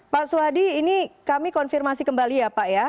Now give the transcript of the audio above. pak suhadi ini kami konfirmasi kembali ya pak ya